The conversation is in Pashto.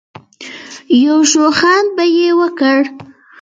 يو شخوند به يې وکړ.